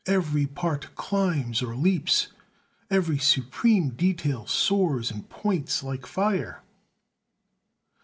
Every part climbs or leaps; every supreme detail soars and points like fire...."